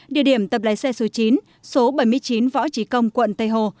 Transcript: địa điểm tập lái xe số chín số bảy mươi chín võ trí công quận tây hồ